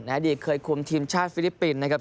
อดีตเคยคุมทีมชาติฟิลิปปินส์นะครับ